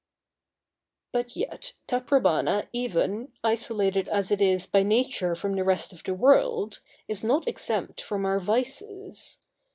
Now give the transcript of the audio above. But yet Taprobana even, isolated as it is by nature from the rest of the world, is not exempt from our vices.